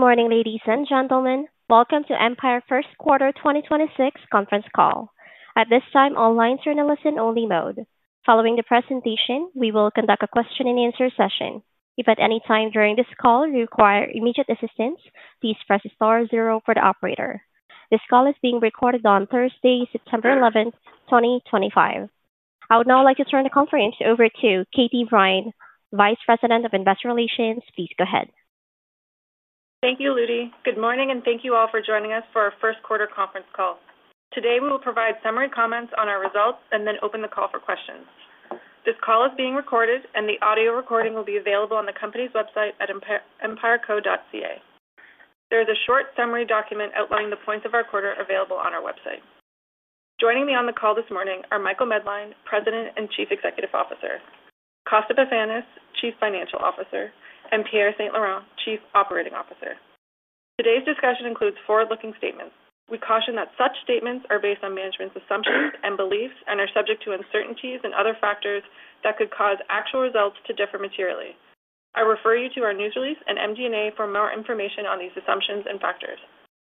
Good morning, ladies and gentlemen. Welcome to Empire ’s First Quarter 2026 Conference Call. At this time, all lines are in a listen-only mode. Following the presentation, we will conduct a question-and-answer session. If at any time during this call you require immediate assistance, please press the star zero for the operator. This call is being recorded on Thursday, September 11th, 2025. I would now like to turn the conference over to Katie Brine, Vice President of Investor Relations. Please go ahead. Thank you, Ludi. Good morning, and thank you all for joining us for our first quarter conference call. Today, we will provide summary comments on our results and then open the call for questions. This call is being recorded, and the audio recording will be available on the company's website at empireco.ca. There is a short summary document outlining the points of our quarter available on our website. Joining me on the call this morning are Michael Medline, President and Chief Executive Officer, Constantine Pefanis, Chief Financial Officer, and Pierre St-Laurent, Chief Operating Officer. Today's discussion includes forward-looking statements. We caution that such statements are based on management's assumptions and beliefs and are subject to uncertainties and other factors that could cause actual results to differ materially. I refer you to our news release and MD&A for more information on these assumptions and factors.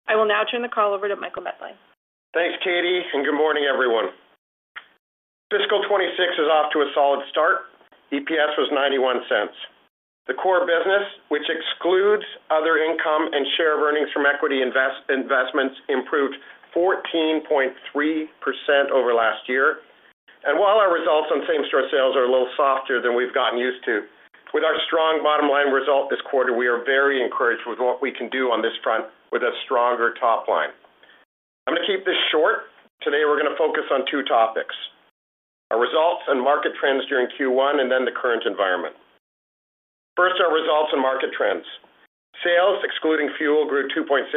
I will now turn the call over to Michael Medline. Thanks, Katie, and good morning, everyone. Fiscal 2026 is off to a solid start. EPS was 0.91. The core business, which excludes other income and share of earnings from equity investments, improved 14.3% over last year. While our results on same-store sales are a little softer than we've gotten used to, with our strong bottom line result this quarter, we are very encouraged with what we can do on this front with a stronger top line. I'm going to keep this short. Today, we're going to focus on two topics: our results and market trends during Q1 and then the current environment. First, our results and market trends. Sales, excluding fuel, grew 2.6%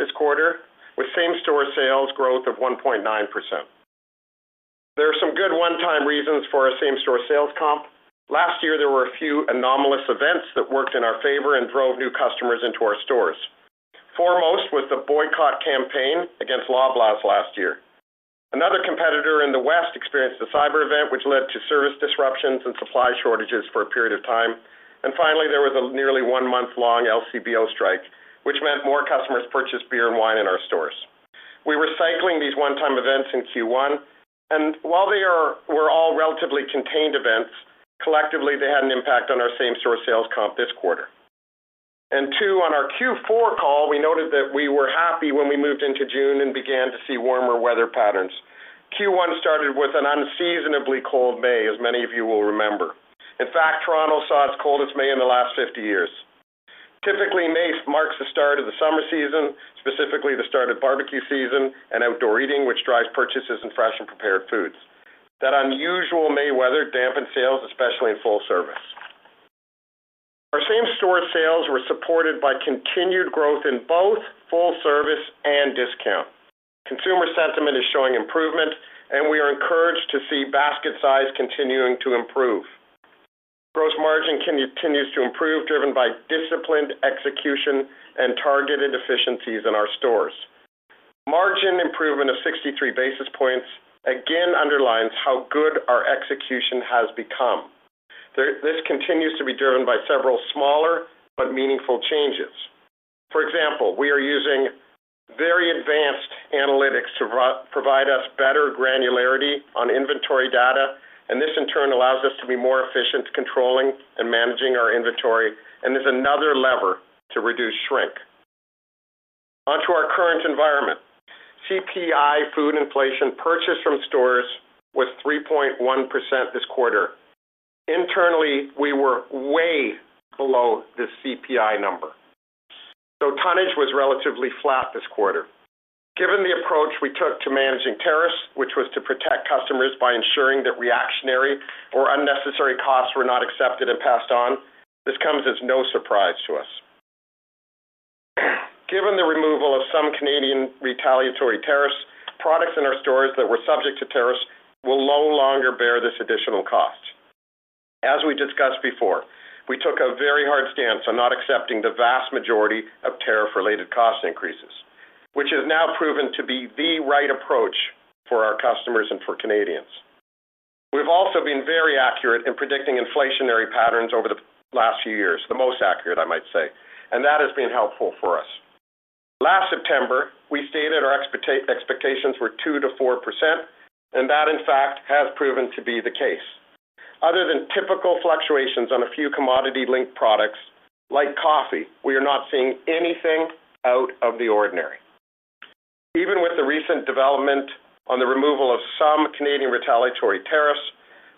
this quarter, with same-store sales growth of 1.9%. There are some good one-time reasons for a same-store sales comp. Last year, there were a few anomalous events that worked in our favor and drove new customers into our stores. Foremost was the boycott campaign against Loblaw last year. Another competitor in the west experienced a cyber event, which led to service disruptions and supply shortages for a period of time. Finally, there was a nearly one-month-long LCBO strike, which meant more customers purchased beer and wine in our stores. We were cycling these one-time events in Q1, and while they were all relatively contained events, collectively, they had an impact on our same-store sales comp this quarter. On our Q4 call, we noted that we were happy when we moved into June and began to see warmer weather patterns. Q1 started with an unseasonably cold May, as many of you will remember. In fact, Toronto saw its coldest May in the last 50 years. Typically, May marks the start of the summer season, specifically the start of barbecue season and outdoor eating, which drives purchases in fresh and prepared foods. That unusual May weather dampened sales, especially in full service. Our same-store sales were supported by continued growth in both full service and discount. Consumer sentiment is showing improvement, and we are encouraged to see basket size continuing to improve. Gross margin continues to improve, driven by disciplined execution and targeted efficiencies in our stores. Margin improvement of 63 basis points again underlines how good our execution has become. This continues to be driven by several smaller but meaningful changes. For example, we are using very advanced analytics to provide us better granularity on inventory data, and this in turn allows us to be more efficient controlling and managing our inventory, and is another lever to reduce shrink. Onto our current environment. CPI food inflation purchased from stores was 3.1% this quarter. Internally, we were way below this CPI number. Tonnage was relatively flat this quarter. Given the approach we took to managing tariffs, which was to protect customers by ensuring that reactionary or unnecessary costs were not accepted and passed on, this comes as no surprise to us. Given the removal of some Canadian retaliatory tariffs, products in our stores that were subject to tariffs will no longer bear this additional cost. As we discussed before, we took a very hard stance on not accepting the vast majority of tariff-related cost increases, which has now proven to be the right approach for our customers and for Canadians. We've also been very accurate in predicting inflationary patterns over the last few years, the most accurate, I might say, and that has been helpful for us. Last September, we stated our expectations were 2%-4%, and that, in fact, has proven to be the case. Other than typical fluctuations on a few commodity-linked products, like coffee, we are not seeing anything out of the ordinary. Even with the recent development on the removal of some Canadian retaliatory tariffs,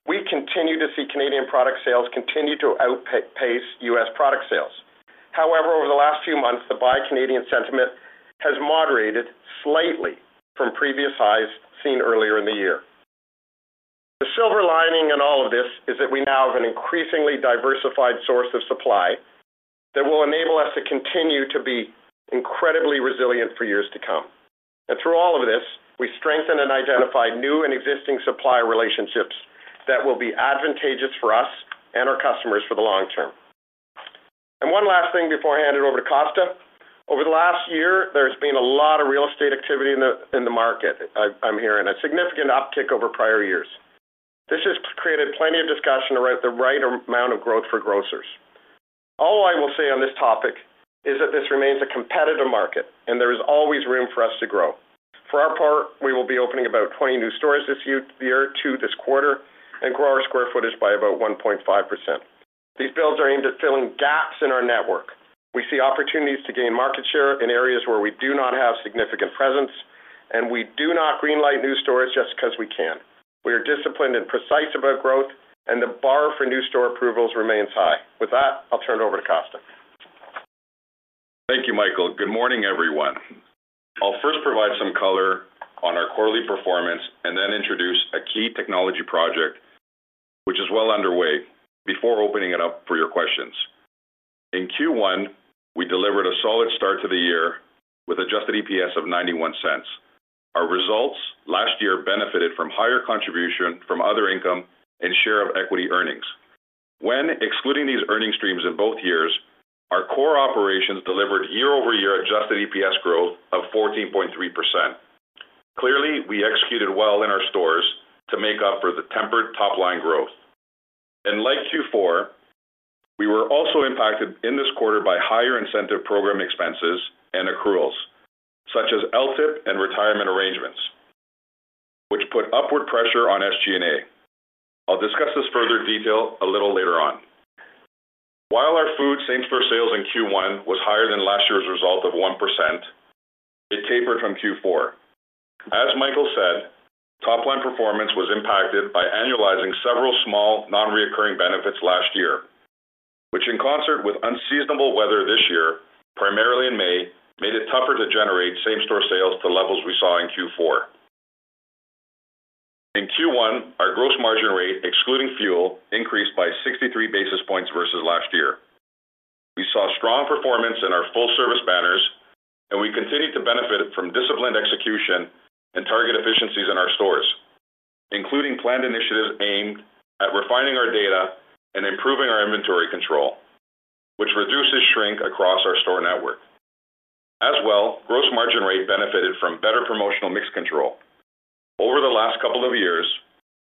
we continue to see Canadian product sales continue to outpace U.S. product sales. However, over the last few months, the buy Canadian sentiment has moderated slightly from previous highs seen earlier in the year. The silver lining in all of this is that we now have an increasingly diversified source of supply that will enable us to continue to be incredibly resilient for years to come. Through all of this, we strengthen and identify new and existing supply relationships that will be advantageous for us and our customers for the long term. One last thing before I hand it over to [Constantine]. Over the last year, there's been a lot of real estate activity in the market. I'm hearing a significant uptick over prior years. This has created plenty of discussion about the right amount of growth for grocers. All I will say on this topic is that this remains a competitive market, and there is always room for us to grow. For our part, we will be opening about 20 new stores this year, two this quarter, and grow our square footage by about 1.5%. These builds are aimed at filling gaps in our network. We see opportunities to gain market share in areas where we do not have significant presence, and we do not greenlight new stores just because we can. We are disciplined and precise about growth, and the bar for new store approvals remains high. With that, I'll turn it over to [Constantine].. Thank you, Michael. Good morning, everyone. I'll first provide some color on our quarterly performance and then introduce a key technology project, which is well underway, before opening it up for your questions. In Q1, we delivered a solid start to the year with adjusted EPS of 0.91. Our results last year benefited from higher contribution from other income and share of equity earnings. When excluding these earnings streams in both years, our core operations delivered year-over-year adjusted EPS growth of 14.3%. Clearly, we executed well in our stores to make up for the tempered top line growth. In Q4, we were also impacted in this quarter by higher incentive program expenses and accruals, such as LTIP and retirement arrangements, which put upward pressure on SG&A. I'll discuss this in further detail a little later on. While our food same-store sales in Q1 was higher than last year's result of 1%, it tapered from Q4. As Michael said, top line performance was impacted by annualizing several small non-recurring benefits last year, which, in concert with unseasonable weather this year, primarily in May, made it tougher to generate same-store sales to levels we saw in Q4. In Q1, our gross margin rate, excluding fuel, increased by 63 basis points versus last year. We saw strong performance in our full-service banners, and we continued to benefit from disciplined execution and target efficiencies in our stores, including planned initiatives aimed at refining our data and improving our inventory control, which reduces shrink across our store network. As well, gross margin rate benefited from better promotional mix control. Over the last couple of years,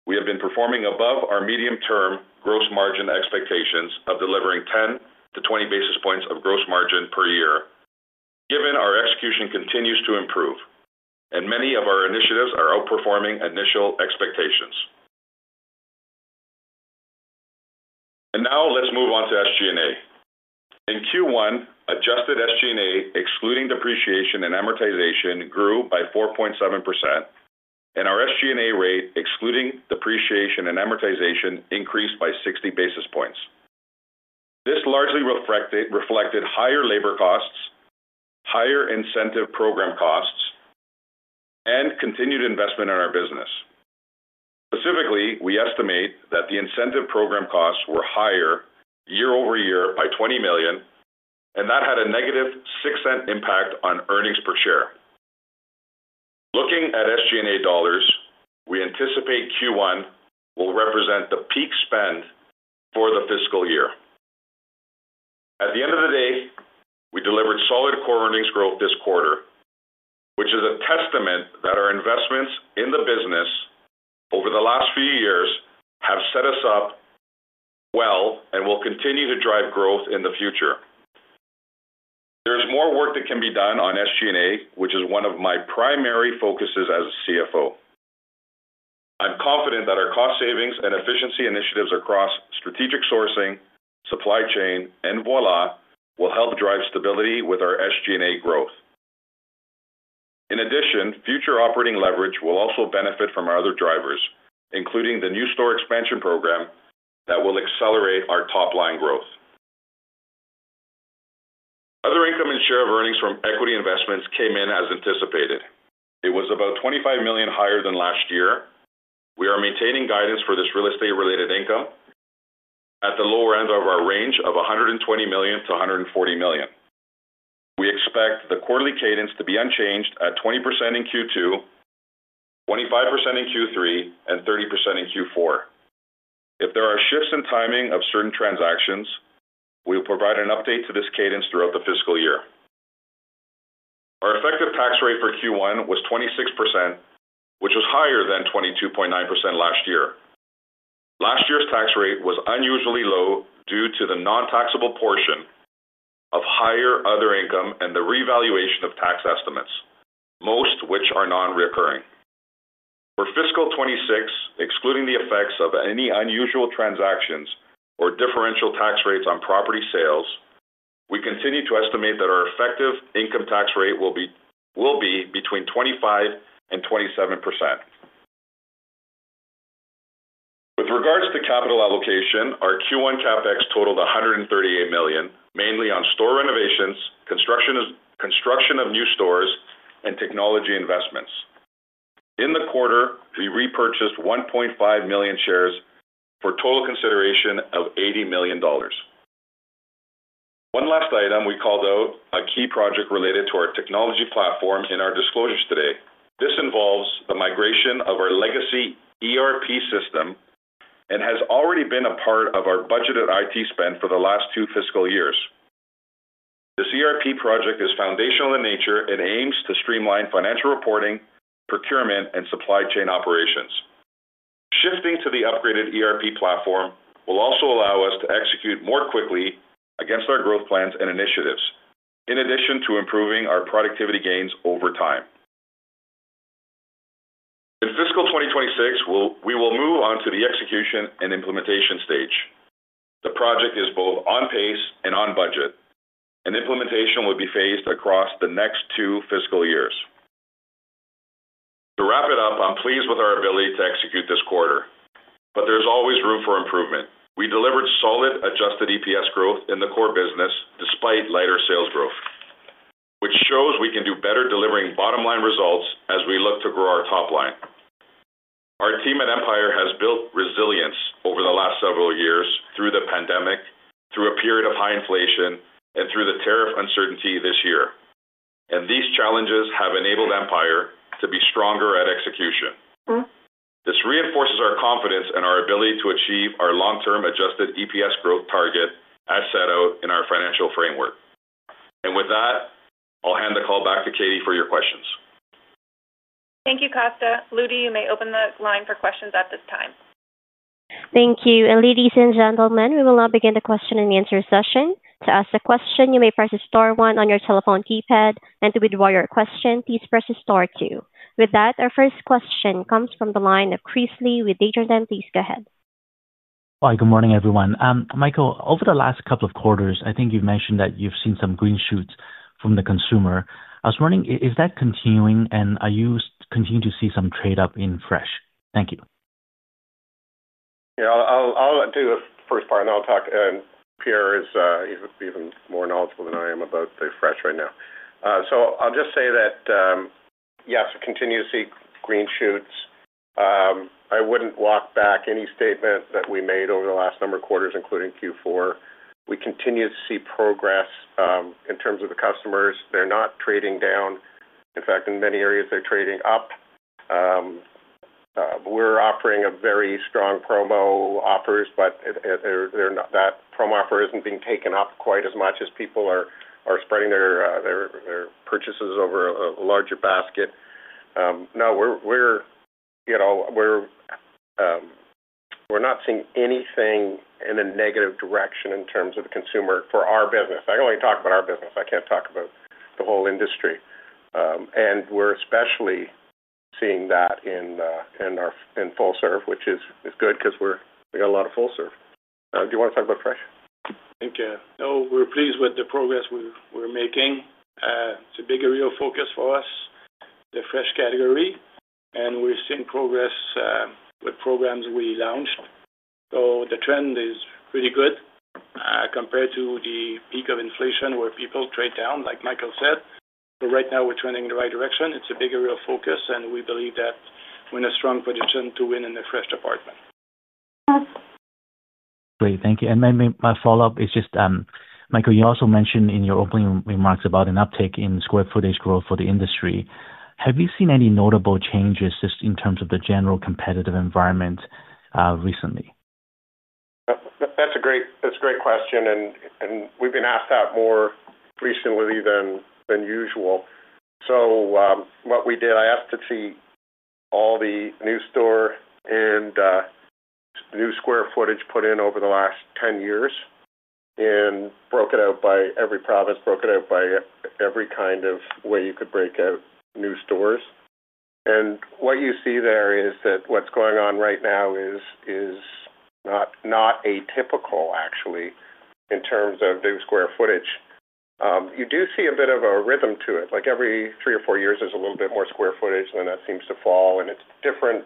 we have been performing above our medium-term gross margin expectations of delivering 10-20 basis points of gross margin per year, given our execution continues to improve, and many of our initiatives are outperforming initial expectations. Now, let's move on to SG&A. In Q1, adjusted SG&A, excluding depreciation and amortization, grew by 4.7%, and our SG&A rate, excluding depreciation and amortization, increased by 60 basis points. This largely reflected higher labor costs, higher incentive program costs, and continued investment in our business. Specifically, we estimate that the incentive program costs were higher year-over-year by 20 million, and that had a -0.06 impact on earnings per share. Looking at SG&A dollars, we anticipate Q1 will represent the peak spend for the fiscal year. At the end of the day, we delivered solid core earnings growth this quarter, which is a testament that our investments in the business over the last few years have set us up well and will continue to drive growth in the future. There's more work that can be done on SG&A, which is one of my primary focuses as CFO. I'm confident that our cost savings and efficiency initiatives across strategic sourcing, supply chain, and Voilà will help drive stability with our SG&A growth. In addition, future operating leverage will also benefit from our other drivers, including the new store expansion program that will accelerate our top line growth. Other income and share of earnings from equity investments came in as anticipated. It was about 25 million higher than last year. We are maintaining guidance for this real estate-related income at the lower end of our range of 120 million-140 million. We expect the quarterly cadence to be unchanged at 20% in Q2, 25% in Q3, and 30% in Q4. If there are shifts in timing of certain transactions, we will provide an update to this cadence throughout the fiscal year. Our effective tax rate for Q1 was 26%, which was higher than 22.9% last year. Last year's tax rate was unusually low due to the non-taxable portion of higher other income and the revaluation of tax estimates, most of which are non-recurring. For fiscal 2026, excluding the effects of any unusual transactions or differential tax rates on property sales, we continue to estimate that our effective income tax rate will be between 25%-27%. With regards to capital allocation, our Q1 CapEx totaled 138 million, mainly on store renovations, construction of new stores, and technology investments. In the quarter, we repurchased 1.5 million shares for a total consideration of 80 million dollars. One last item we called out: a key project related to our technology platform in our disclosures today. This involves the migration of our legacy ERP system and has already been a part of our budgeted IT spend for the last two fiscal years. This ERP project is foundational in nature and aims to streamline financial reporting, procurement, and supply chain operations. Shifting to the upgraded ERP platform will also allow us to execute more quickly against our growth plans and initiatives, in addition to improving our productivity gains over time. In fiscal 2026, we will move on to the execution and implementation stage. The project is both on pace and on budget, and implementation will be phased across the next two fiscal years. To wrap it up, I'm pleased with our ability to execute this quarter, but there's always room for improvement. We delivered solid adjusted EPS growth in the core business despite lighter sales growth, which shows we can do better delivering bottom line results as we look to grow our top line. Our team at Empire has built resilience over the last several years through the pandemic, through a period of high inflation, and through the tariff uncertainty this year. These challenges have enabled Empire to be stronger at execution. This reinforces our confidence and our ability to achieve our long-term adjusted EPS growth target as set out in our financial framework. With that, I'll hand the call back to Katie for your questions. Thank you, [Constntine]. Ludi, you may open the line for questions at this time. Thank you. Ladies and gentlemen, we will now begin the question-and-answer session. To ask a question, you may press the star one on your telephone keypad, and to withdraw your question, please press the star two. With that, our first question comes from the line of Chris Li with Desjardins. Please go ahead. Hi, good morning, everyone. Michael, over the last couple of quarters, I think you've mentioned that you've seen some green shoots from the consumer. I was wondering if that's continuing, and are you continuing to see some trade-up in Fresh? Thank you. Yeah, I'll do the first part, and then I'll talk, and Pierre is even more knowledgeable than I am about the Fresh right now. I'll just say that, yes, we continue to see green shoots. I wouldn't walk back any statement that we made over the last number of quarters, including Q4. We continue to see progress in terms of the customers. They're not trading down. In fact, in many areas, they're trading up. We're offering very strong promo offers, but that promo offer isn't being taken up quite as much as people are spreading their purchases over a larger basket. No, we're not seeing anything in a negative direction in terms of the consumer for our business. I can only talk about our business. I can't talk about the whole industry. We're especially seeing that in our full serve, which is good because we've got a lot of full serve. Do you want to talk about Fresh? Thank you. No, we're pleased with the progress we're making. It's a bigger real focus for us, the Fresh category, and we're seeing progress with programs we launched. The trend is pretty good compared to the peak of inflation where people trade down, like Michael said. Right now, we're trending in the right direction. It's a big area of focus, and we believe that we're in a strong position to win in the Fresh department. Great, thank you. My follow-up is just, Michael, you also mentioned in your opening remarks about an uptick in square footage growth for the industry. Have you seen any notable changes just in terms of the general competitive environment recently? That's a great question, and we've been asked that more recently than usual. What we did, I asked to see all the new store and new square footage put in over the last 10 years and broke it out by every province, broke it out by every kind of way you could break out new stores. What you see there is that what's going on right now is not atypical, actually, in terms of new square footage. You do see a bit of a rhythm to it. Like every three or four years, there's a little bit more square footage, and then that seems to fall, and it's different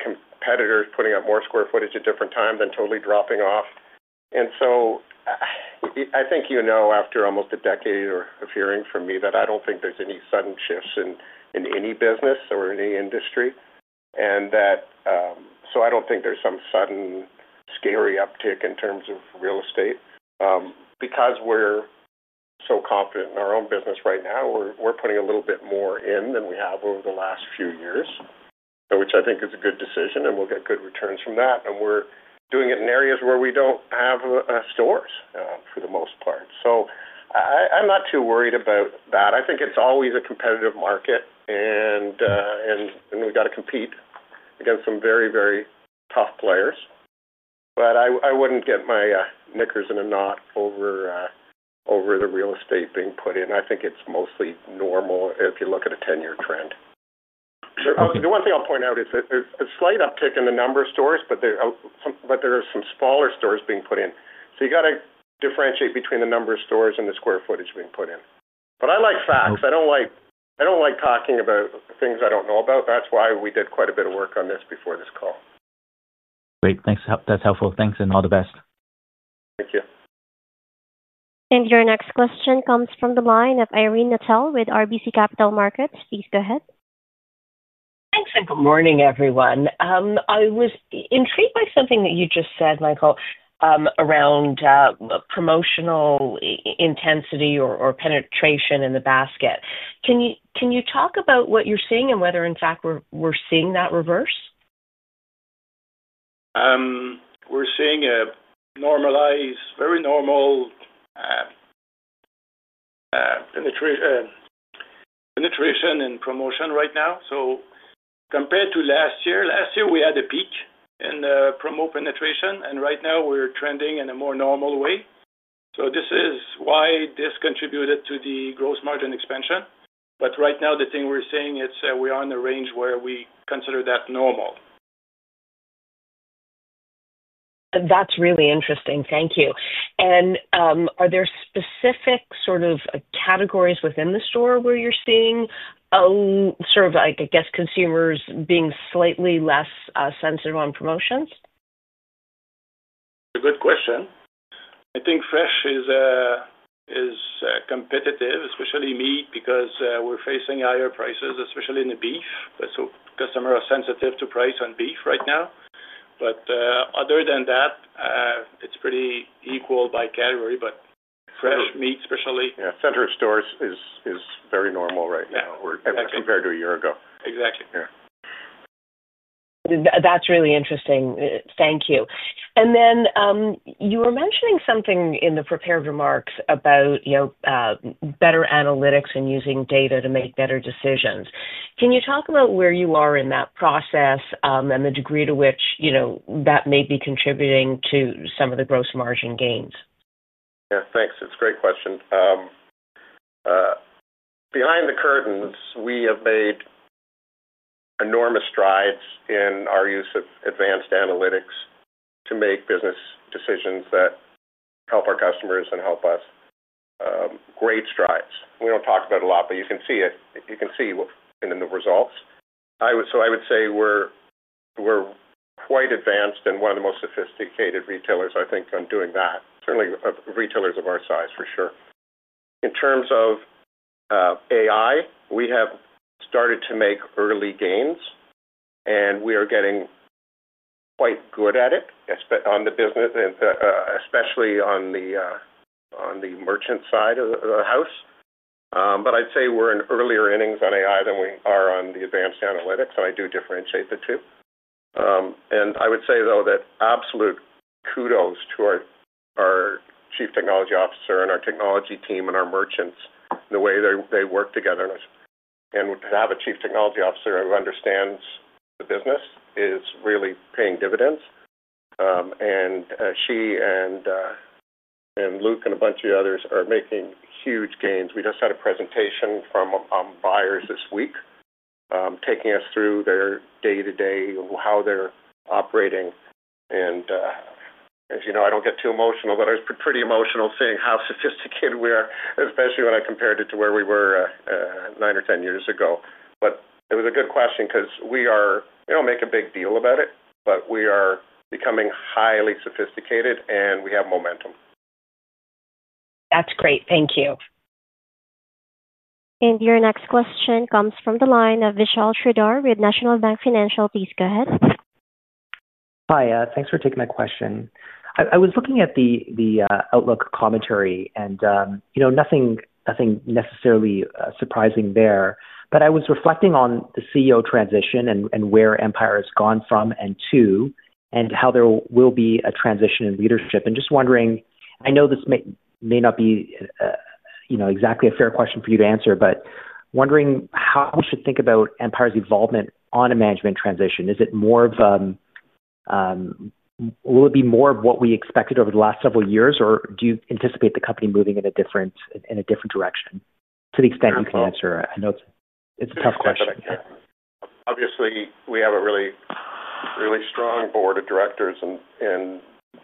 competitors putting up more square footage at different times and totally dropping off. I think you know after almost a decade of hearing from me that I don't think there's any sudden shifts in any business or in any industry. I don't think there's some sudden scary uptick in terms of real estate. Because we're so confident in our own business right now, we're putting a little bit more in than we have over the last few years, which I think is a good decision, and we'll get good returns from that. We're doing it in areas where we don't have stores for the most part. I'm not too worried about that. I think it's always a competitive market, and we've got to compete against some very, very tough players. I wouldn't get my knickers in a knot over the real estate being put in. I think it's mostly normal if you look at a 10-year trend. The one thing I'll point out is a slight uptick in the number of stores, but there are some smaller stores being put in. You've got to differentiate between the number of stores and the square footage being put in. I like facts. I don't like talking about things I don't know about. That's why we did quite a bit of work on this before this call. Great. Thanks. That's helpful. Thanks and all the best. Thank you. Your next question comes from the line of Irene Nattel with RBC Capital Markets. Please go ahead. Thanks, and good morning, everyone. I was intrigued by something that you just said, Michael, around promotional intensity or penetration in the basket. Can you talk about what you're seeing and whether, in fact, we're seeing that reverse? We're seeing a normalized, very normal penetration in promotion right now. Compared to last year, last year we had a peak in promo penetration, and right now we're trending in a more normal way. This is why this contributed to the gross margin expansion. Right now, the thing we're seeing is we are in a range where we consider that normal. That's really interesting. Thank you. Are there specific sort of categories within the store where you're seeing consumers being slightly less sensitive on promotions? A good question. I think fresh is competitive, especially meat, because we're facing higher prices, especially in the beef. Customers are sensitive to price on beef right now. Other than that, it's pretty equal by category, but fresh meat, especially. Yeah, center stores is very normal right now compared to a year ago. Exactly. That's really interesting. Thank you. You were mentioning something in the prepared remarks about better analytics and using data to make better decisions. Can you talk about where you are in that process and the degree to which that may be contributing to some of the gross margin gains? Yeah, thanks. It's a great question. Behind the curtains, we have made enormous strides in our use of advanced analytics to make business decisions that help our customers and help us. Great strides. We don't talk about it a lot, but you can see it. You can see in the results. I would say we're quite advanced and one of the most sophisticated retailers, I think, on doing that. Certainly retailers of our size, for sure. In terms of AI, we have started to make early gains, and we are getting quite good at it, especially on the business, especially on the merchant side of the house. I'd say we're in earlier innings on AI than we are on the advanced analytics, and I do differentiate the two. I would say, though, that absolute kudos to our Chief Technology Officer and our technology team and our merchants in the way they work together. To have a Chief Technology Officer who understands the business is really paying dividends. She and Luke and a bunch of the others are making huge gains. We just had a presentation from buyers this week, taking us through their day-to-day, how they're operating. As you know, I don't get too emotional, but I was pretty emotional seeing how sophisticated we are, especially when I compared it to where we were nine or ten years ago. It was a good question because we are, we don't make a big deal about it, but we are becoming highly sophisticated, and we have momentum. That's great. Thank you. Your next question comes from the line of Vishal Shreedhar with National Bank Financial. Please go ahead. Hi, thanks for taking my question. I was looking at the Outlook commentary, and you know nothing necessarily surprising there. I was reflecting on the CEO transition and where Empire has gone from and to, and how there will be a transition in leadership. Just wondering, I know this may not be exactly a fair question for you to answer, but wondering how we should think about Empire's evolvement on a management transition. Is it more of, will it be more of what we expected over the last several years, or do you anticipate the company moving in a different direction? To the extent you can answer, I know it's a tough question. Obviously, we have a really, really strong Board of Directors, and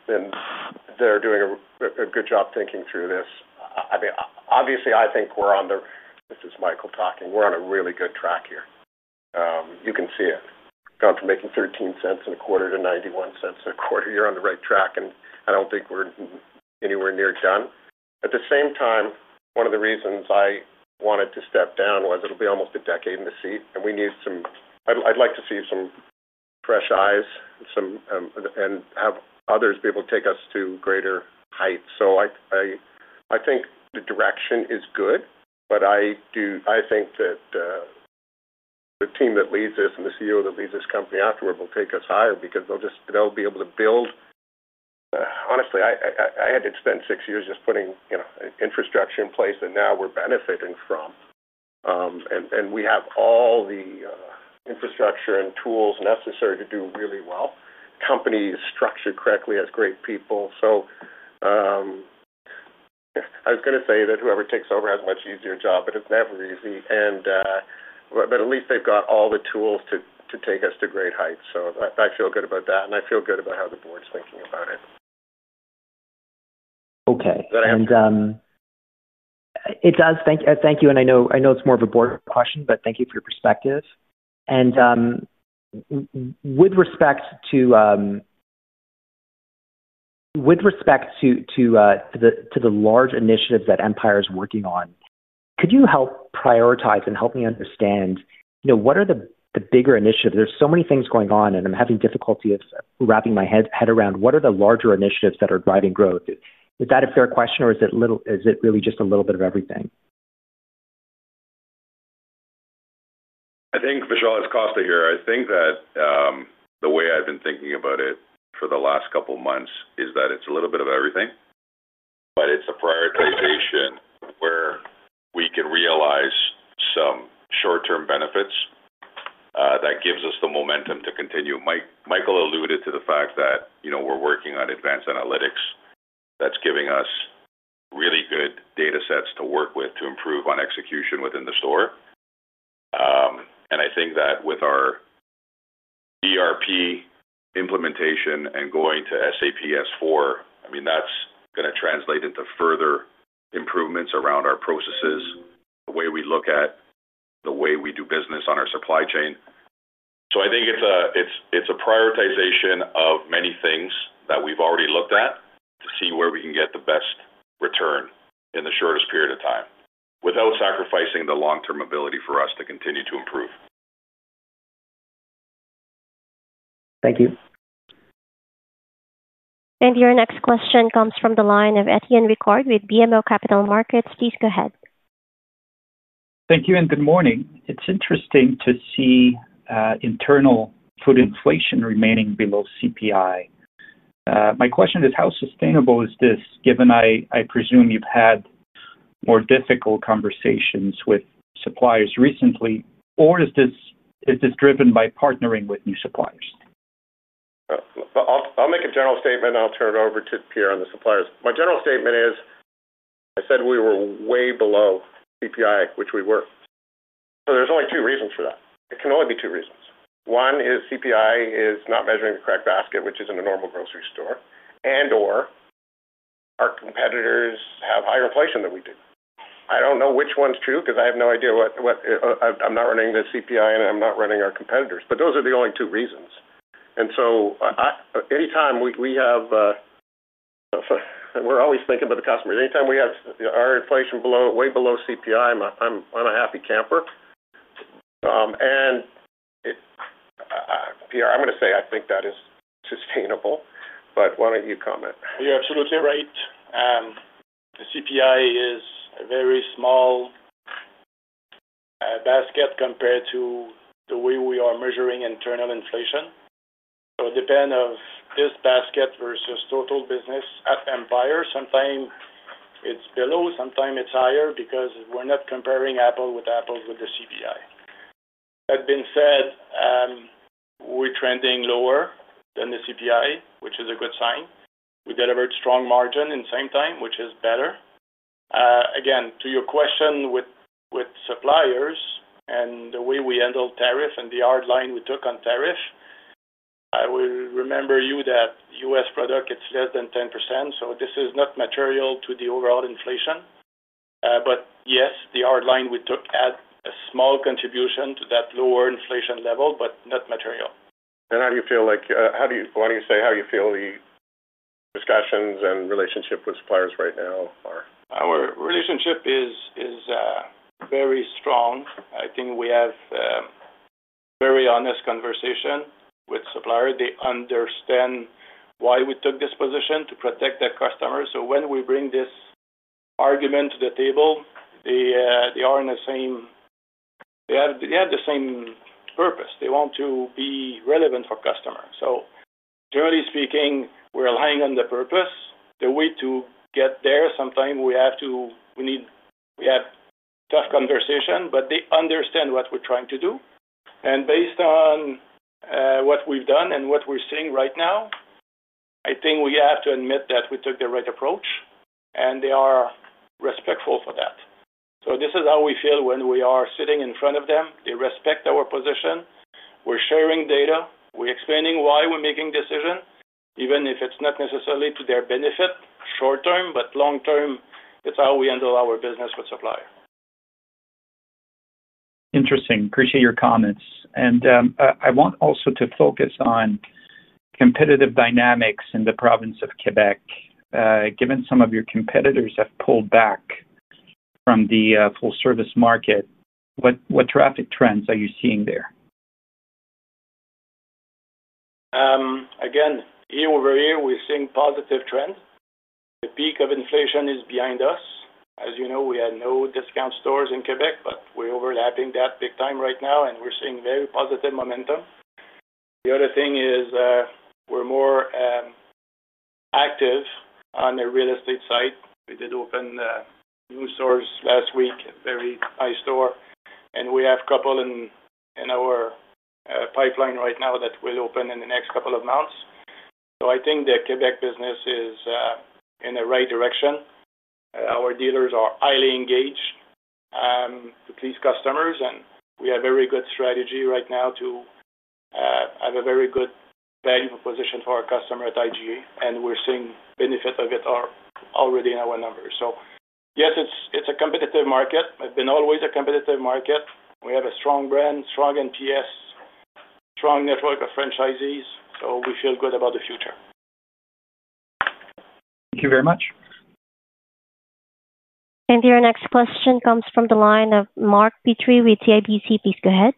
they're doing a good job thinking through this. I mean, obviously, I think we're on the, this is Michael talking, we're on a really good track here. You can see it. Gone from making 0.13 in a quarter to 0.91 in a quarter, you're on the right track, and I don't think we're anywhere near done. At the same time, one of the reasons I wanted to step down was it'll be almost a decade in the seat, and we need some, I'd like to see some fresh eyes and have others be able to take us to greater heights. I think the direction is good, but I do, I think that the team that leads this and the CEO that leads this company afterward will take us higher because they'll just, they'll be able to build. Honestly, I had to spend six years just putting infrastructure in place, and now we're benefiting from, and we have all the infrastructure and tools necessary to do really well. The company is structured correctly. It has great people. I was going to say that whoever takes over has a much easier job, but it's never easy. At least they've got all the tools to take us to great heights. I feel good about that, and I feel good about how the Board's thinking about it. Okay. Thank you. I know it's more of a board question, but thank you for your perspective. With respect to the large initiatives that Empire is working on, could you help prioritize and help me understand what are the bigger initiatives? There are so many things going on, and I'm having difficulty wrapping my head around what are the larger initiatives that are driving growth. Is that a fair question, or is it really just a little bit of everything? I think Vishal has caught the here. I think that the way I've been thinking about it for the last couple of months is that it's a little bit of everything, but it's a prioritization where we can realize some short-term benefits that give us the momentum to continue. Michael alluded to the fact that we're working on advanced analytics that's giving us really good data sets to work with to improve on execution within the store. I think that with our ERP implementation and going to [SAP S/4HANA], I mean, that's going to translate into further improvements around our processes, the way we look at the way we do business on our supply chain. I think it's a prioritization of many things that we've already looked at to see where we can get the best return in the shortest period of time without sacrificing the long-term ability for us to continue to improve. Thank you. Your next question comes from the line of Étienne Ricard with BMO Capital Markets. Please go ahead. Thank you, and good morning. It's interesting to see internal food inflation remaining below CPI. My question is, how sustainable is this given I presume you've had more difficult conversations with suppliers recently, or is this driven by partnering with new suppliers? I'll make a general statement, and I'll turn it over to Pierre on the suppliers. My general statement is I said we were way below CPI, which we were. There are only two reasons for that. It can only be two reasons. One is CPI is not measuring the correct basket, which is in a normal grocery store, and/or our competitors have higher inflation than we do. I don't know which one's true because I have no idea, I'm not running the CPI, and I'm not running our competitors. Those are the only two reasons. Anytime we have, we're always thinking about the customers. Anytime we have our inflation way below CPI, I'm a happy camper. Pierre, I'm going to say I think that is sustainable, but why don't you comment? You're absolutely right. The CPI is a very small basket compared to the way we are measuring internal inflation. It depends on this basket versus total business at Empire. Sometimes it's below, sometimes it's higher because we're not comparing apple with apple with the CPI. That being said, we're trending lower than the CPI, which is a good sign. We delivered strong margin in the same time, which is better. Again, to your question with suppliers and the way we handle tariffs and the hard line we took on tariffs, I will remember you that U.S. product, it's less than 10%. This is not material to the overall inflation. Yes, the hard line we took had a small contribution to that lower inflation level, but not material. How do you feel, why don't you say how you feel the discussions and relationship with suppliers right now are? Our relationship is very strong. I think we have very honest conversations with suppliers. They understand why we took this position to protect the customers. When we bring this argument to the table, they have the same purpose. They want to be relevant for customers. Generally speaking, we're aligned on the purpose. The way to get there, sometimes we have tough conversations, but they understand what we're trying to do. Based on what we've done and what we're seeing right now, I think we have to admit that we took the right approach, and they are respectful for that. This is how we feel when we are sitting in front of them. They respect our position. We're sharing data. We're explaining why we're making decisions, even if it's not necessarily to their benefit short term, but long term, it's how we handle our business with suppliers. Interesting. Appreciate your comments. I want also to focus on competitive dynamics in the province of Quebec. Given some of your competitors have pulled back from the full-service market, what traffic trends are you seeing there? Again, year-over-year, we're seeing positive trends. The peak of inflation is behind us. As you know, we have no discount stores in Quebec, but we're overlapping that big time right now, and we're seeing very positive momentum. The other thing is we're more active on the real estate side. We did open new stores last week, a very high store, and we have a couple in our pipeline right now that will open in the next couple of months. I think the Quebec business is in the right direction. Our dealers are highly engaged to please customers, and we have a very good strategy right now to have a very good valuable position for our customer at IGA, and we're seeing the benefit of it already in our numbers. Yes, it's a competitive market. It's been always a competitive market. We have a strong brand, strong NPS, strong network of franchisees, so we feel good about the future. Thank you very much. Your next question comes from the line of Mark Petrie with CIBC. Please go ahead.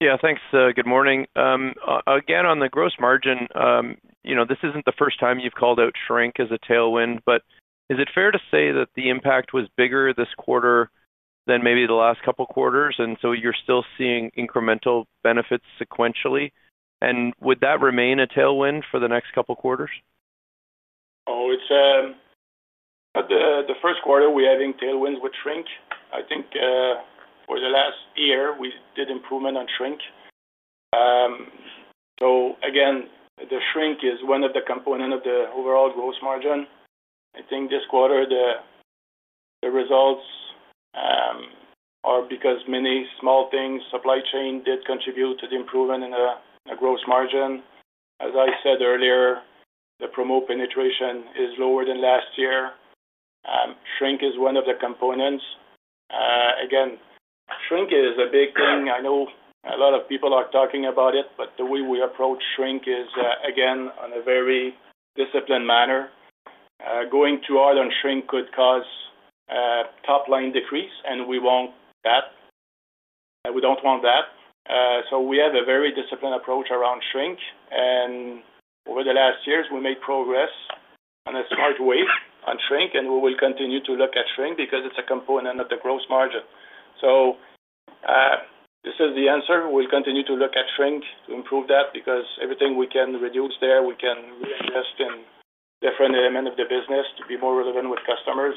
Yeah, thanks. Good morning. Again, on the gross margin, you know this isn't the first time you've called out shrink as a tailwind. Is it fair to say that the impact was bigger this quarter than maybe the last couple of quarters? You're still seeing incremental benefits sequentially. Would that remain a tailwind for the next couple of quarters? Oh, the first quarter, we're having tailwinds with shrink. I think for the last year, we did improvement on shrink. Again, the shrink is one of the components of the overall gross margin. I think this quarter, the results are because many small things, supply chain did contribute to the improvement in the gross margin. As I said earlier, the promo penetration is lower than last year. Shrink is one of the components. Again, shrink is a big thing. I know a lot of people are talking about it, but the way we approach shrink is, again, in a very disciplined manner. Going too hard on shrink could cause top line decrease, and we don't want that. We have a very disciplined approach around shrink. Over the last years, we made progress on a slight wave on shrink, and we will continue to look at shrink because it's a component of the gross margin. This is the answer. We'll continue to look at shrink to improve that because everything we can reduce there, we can reinvest in different elements of the business to be more relevant with customers.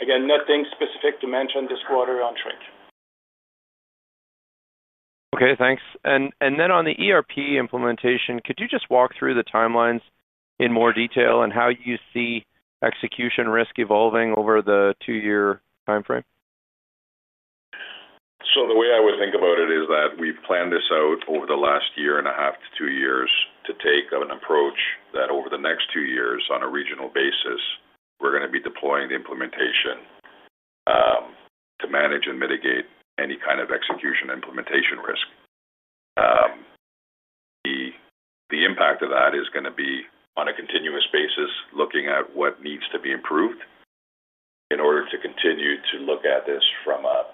Again, nothing specific to mention this quarter on shrink. Okay, thanks. On the ERP implementation, could you just walk through the timelines in more detail and how you see execution risk evolving over the two-year timeframe? The way I would think about it is that we've planned this out over the last 1.5 years-2 years to take an approach that over the next two years, on a regional basis, we're going to be deploying the implementation to manage and mitigate any kind of execution implementation risk. The impact of that is going to be on a continuous basis, looking at what needs to be improved in order to continue to look at this from an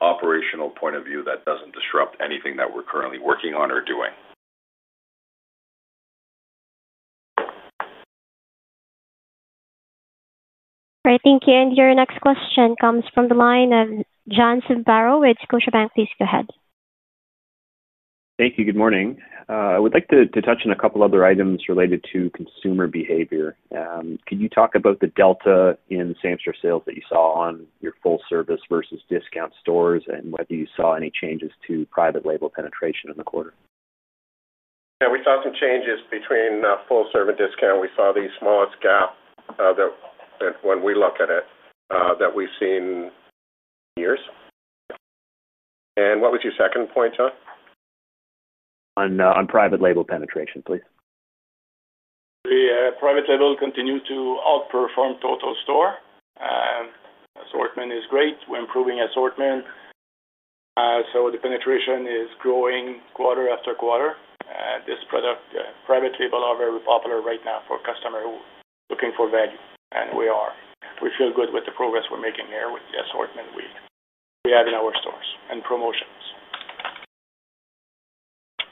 operational point of view that doesn't disrupt anything that we're currently working on or doing. Great, thank you. Your next question comes from the line of John Zamparo with Scotiabank. Please go ahead. Thank you. Good morning. I would like to touch on a couple of other items related to consumer behavior. Could you talk about the delta in the same-store sales that you saw on your full-service versus discount stores, and whether you saw any changes to private label penetration in the quarter? Yeah, we saw some changes between full-service and discount. We saw these smaller scales when we look at it that we've seen years. What was your second point, John? On private label penetration, please. The private label continues to outperform total store. Assortment is great. We're improving assortment, so the penetration is growing quarter after quarter. This product, private label, are very popular right now for customers who are looking for value. We feel good with the progress we're making here with the assortment we have in our stores and promotions.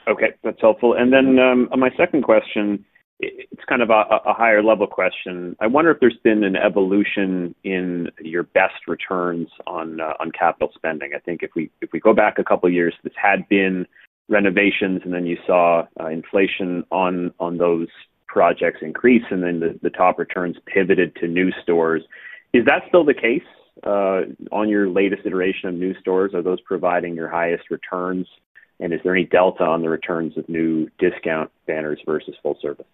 Okay, that's helpful. On my second question, it's kind of a higher-level question. I wonder if there's been an evolution in your best returns on capital spending. I think if we go back a couple of years, this had been renovations, and then you saw inflation on those projects increase, and the top returns pivoted to new stores. Is that still the case? On your latest iteration of new stores, are those providing your highest returns? Is there any delta on the returns of new discount banners versus full-service?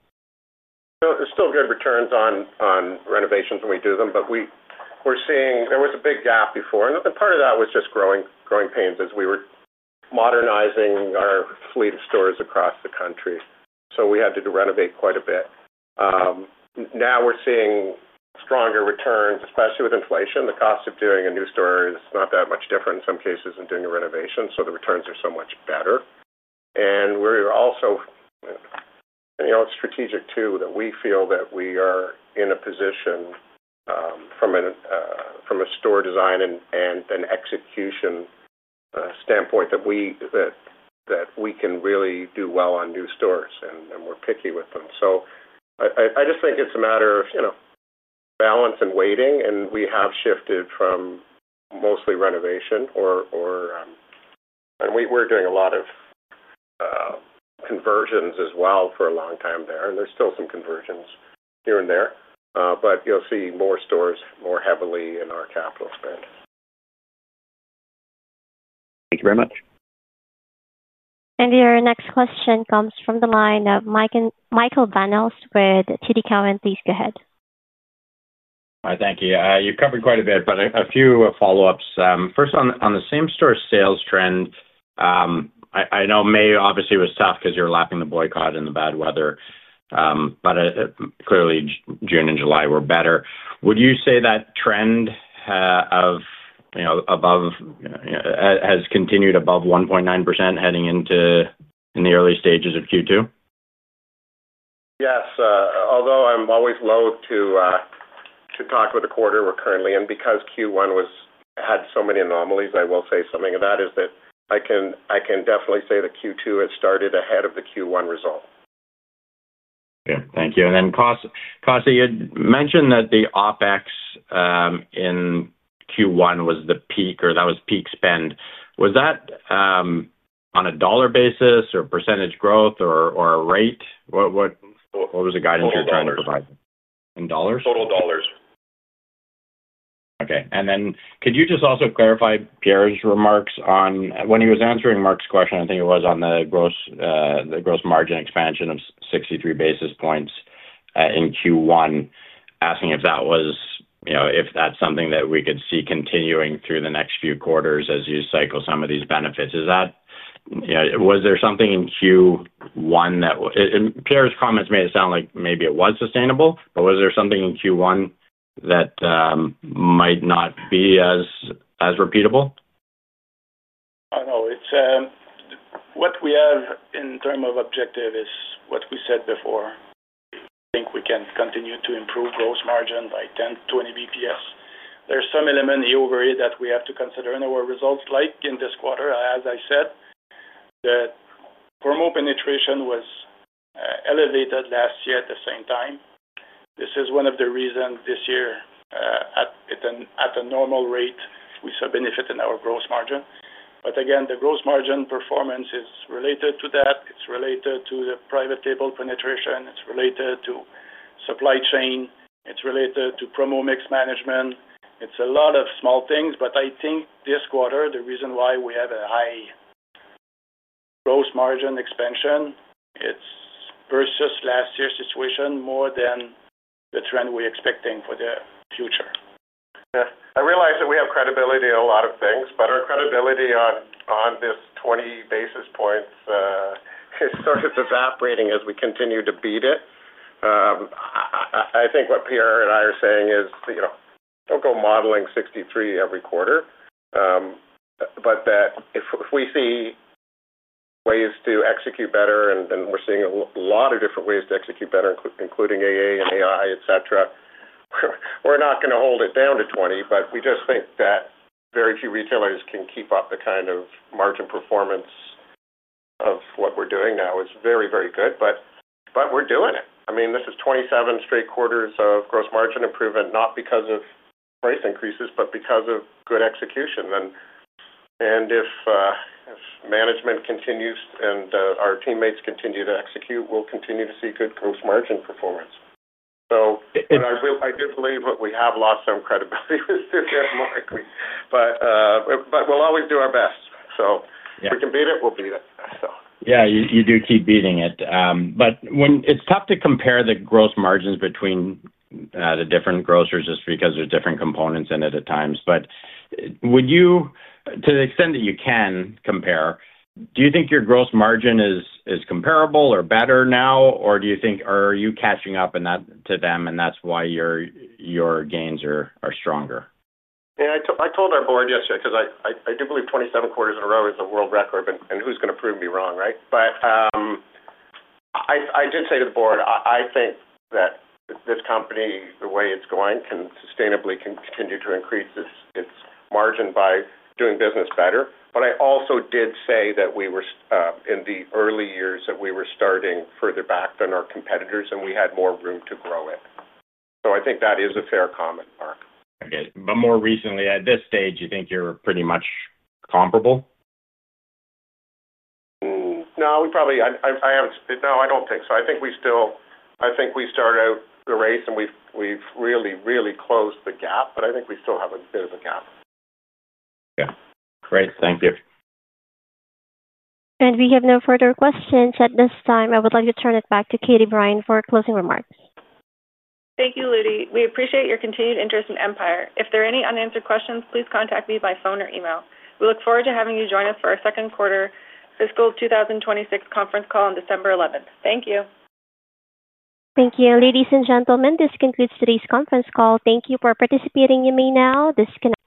No, there's still good returns on renovations when we do them, but we're seeing there was a big gap before. Part of that was just growing pains as we were modernizing our fleet of stores across the country. We had to renovate quite a bit. Now we're seeing stronger returns, especially with inflation. The cost of doing a new store is not that much different in some cases than doing a renovation. The returns are so much better. We're also, you know, it's strategic too that we feel that we are in a position from a store design and then execution standpoint that we can really do well on new stores, and we're picky with them. I just think it's a matter of, you know, balance and waiting. We have shifted from mostly renovation, and we're doing a lot of conversions as well for a long time there. There's still some conversions here and there. You'll see more stores more heavily in our capital spend. Thank you very much. Your next question comes from the line of Michael Van Aelst with TD Cowen. Please go ahead. All right, thank you. You've covered quite a bit, but a few follow-ups. First, on the same-store sales trend, I know May obviously was tough because you were lapping the boycott and the bad weather, but clearly, June and July were better. Would you say that trend has continued above 1.9% heading into the early stages of Q2? Yes, although I'm always loathe to talk about the quarter we're currently in because Q1 had so many anomalies, I will say that I can definitely say that Q2 has started ahead of the Q1 result. Thank you. [Constantine]., you had mentioned that the OpEx in Q1 was the peak, or that was peak spend. Was that on a dollar basis or percentage growth or a rate? What was the guidance you were trying to provide? Total dollars. Total dollars. Okay. Could you just also clarify Pierre's remarks on when he was answering Mark's question? I think it was on the gross margin expansion of 63 basis points in Q1, asking if that was, you know, if that's something that we could see continuing through the next few quarters as you cycle some of these benefits. Is that, you know, was there something in Q1 that Pierre's comments made it sound like maybe it was sustainable, but was there something in Q1 that might not be as repeatable? I don't know. What we have in terms of objective is what we said before. I think we can continue to improve gross margin by 10 bps-20 bps. There are some elements over it that we have to consider in our results, like in this quarter, as I said, that promo penetration was elevated last year at the same time. This is one of the reasons this year, at a normal rate, we saw benefits in our gross margin. Again, the gross margin performance is related to that. It's related to the private label penetration. It's related to supply chain. It's related to promo mix management. It's a lot of small things. I think this quarter, the reason why we have a high gross margin expansion, it's versus last year's situation more than the trend we're expecting for the future. I realize that we have credibility in a lot of things, but our credibility on this 20 basis points is sort of evaporating as we continue to beat it. I think what Pierre and I are saying is, you know, don't go modeling 63 every quarter, but that if we see ways to execute better, and we're seeing a lot of different ways to execute better, including AA and AI, etc., we're not going to hold it down to 20. We just think that very few retailers can keep up the kind of margin performance of what we're doing now. It's very, very good. We're doing it. I mean, this is 27 straight quarters of gross margin improvement, not because of price increases, but because of good execution. If management continues and our teammates continue to execute, we'll continue to see good gross margin performance. I do believe that we have lost some credibility with Citigroup, but we'll always do our best. If we can beat it, we'll beat it. Yeah, you do keep beating it. When it's tough to compare the gross margins between the different grocers just because there are different components in it at times, would you, to the extent that you can compare, do you think your gross margin is comparable or better now, or do you think are you catching up to them and that's why your gains are stronger? Yeah, I told our board yesterday because I do believe 27 quarters in a row is a world record, and who's going to prove me wrong, right? I did say to the board, I think that this company, the way it's going, can sustainably continue to increase its margin by doing business better. I also did say that we were in the early years that we were starting further back than our competitors, and we had more room to grow it. I think that is a fair comment, Mark. I did. More recently, at this stage, you think you're pretty much comparable? No, I don't think so. I think we started out the race and we've really, really closed the gap, but I think we still have a bit of a gap. Yeah, great. Thank you. We have no further questions at this time. I would like to turn it back to Katie Brine for closing remarks. Thank you, Ludi. We appreciate your continued interest in Empire. If there are any unanswered questions, please contact me by phone or email. We look forward to having you join us for our Second Quarter Fiscal 2026 Conference Call on December 11. Thank you. Thank you, ladies and gentlemen. This concludes today's conference call. Thank you for participating. You may now. This concludes.